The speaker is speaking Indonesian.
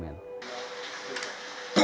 perjuangan iin dan rumah ia